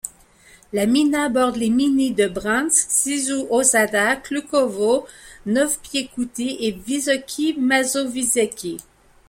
La gmina borde les gminy de Brańsk, Czyżew-Osada, Klukowo, Nowe Piekuty et Wysokie Mazowieckie.